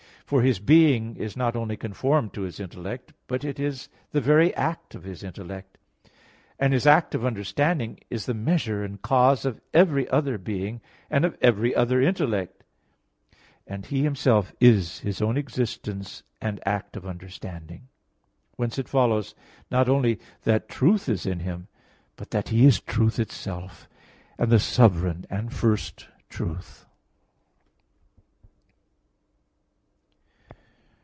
For His being is not only conformed to His intellect, but it is the very act of His intellect; and His act of understanding is the measure and cause of every other being and of every other intellect, and He Himself is His own existence and act of understanding. Whence it follows not only that truth is in Him, but that He is truth itself, and the sovereign and first truth.